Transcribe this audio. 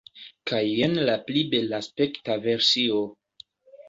Kaj jen la pli belaspekta versio